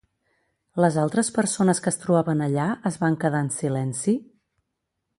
Les altres persones que es trobaven allà es van quedar en silenci?